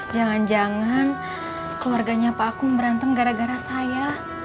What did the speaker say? jangan jangan keluarganya pak aku berantem gara gara saya